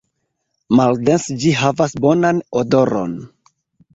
Maldense ĝi havas bonan odoron.